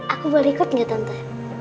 aku boleh ikut gak tonton